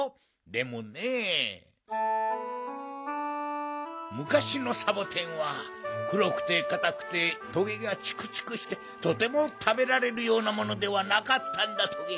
でもねむかしのサボテンはくろくてかたくてトゲがチクチクしてとてもたべられるようなものではなかったんだトゲ。